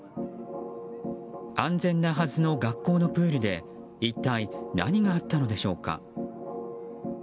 安全なはずの学校のプールで一体何があったのでしょうか。